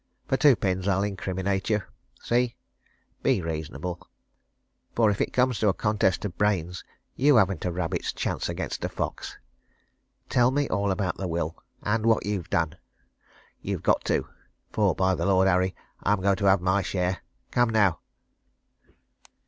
For two pins I'll incriminate you! See? Be reasonable for if it comes to a contest of brains, you haven't a rabbit's chance against a fox. Tell me all about the will and what you've done. You've got to for, by the Lord Harry! I'm going to have my share. Come, now!"